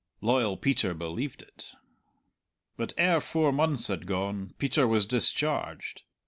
Loyal Peter believed it. But ere four months had gone Peter was discharged.